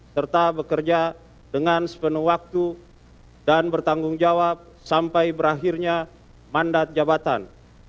serta bekerja dengan sepenuh waktu dan bertanggung jawab sampai berakhirnya mandat jabatan